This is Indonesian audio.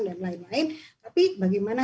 dan lain lain tapi bagaimana